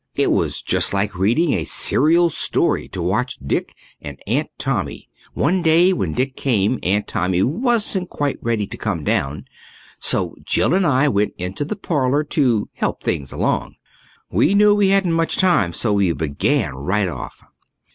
It was just like reading a serial story to watch Dick and Aunt Tommy. One day when Dick came Aunt Tommy wasn't quite ready to come down, so Jill and I went in to the parlour to help things along. We knew we hadn't much time, so we began right off.